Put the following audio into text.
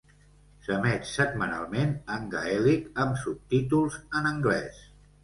S'emet setmanalment en gaèlic amb subtítols en anglès.